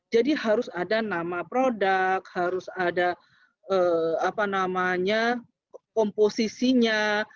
jadi harus ada nama produk harus ada komposisinya